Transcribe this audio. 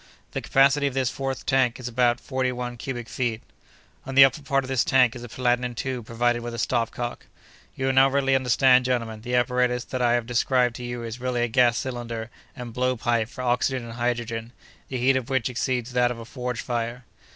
The capacity of this fourth tank is about forty one cubic feet. "On the upper part of this tank is a platinum tube provided with a stopcock. "You will now readily understand, gentlemen, the apparatus that I have described to you is really a gas cylinder and blow pipe for oxygen and hydrogen, the heat of which exceeds that of a forge fire.